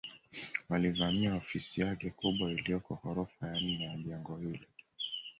Walivamia ofisi yake kubwa iliyoko ghorofa ya nne ya jengo hilo